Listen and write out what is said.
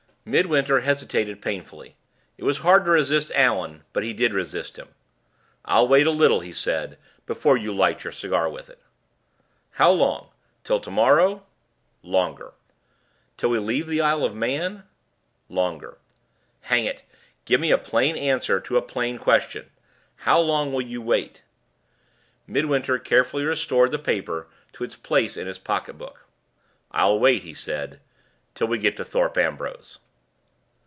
Midwinter hesitated painfully. It was hard to resist Allan; but he did resist him. "I'll wait a little," he said, "before you light your cigar with it." "How long? Till to morrow?" "Longer." "Till we leave the Isle of Man?" "Longer." "Hang it give me a plain answer to a plain question! How long will you wait?" Midwinter carefully restored the paper to its place in his pocketbook. "I'll wait," he said, "till we get to Thorpe Ambrose."